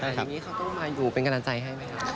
งานนี้เขาก็มาอยู่เป็นกำลังใจให้ไหมคะ